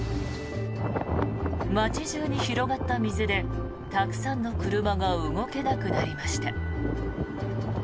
街中に広がった水でたくさんの車が動けなくなりました。